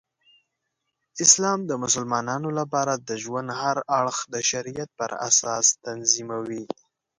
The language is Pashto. اسلام د مسلمانانو لپاره د ژوند هر اړخ د شریعت پراساس تنظیموي.